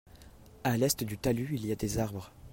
À l'est du talus il y a des arbres.